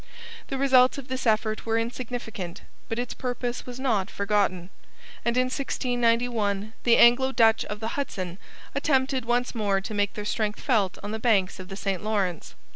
The results of this effort were insignificant, but its purpose was not forgotten; and in 1691 the Anglo Dutch of the Hudson attempted once more to make their strength felt on the banks of the St Lawrence.